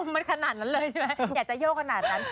มันขนาดนั้นเลยใช่ไหมอยากจะโยกขนาดนั้น